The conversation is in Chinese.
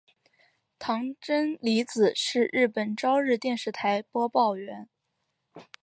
堂真理子是日本朝日电视台播报员。